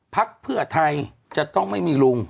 พักเพื่อไทยจะต้องไม่มีลุง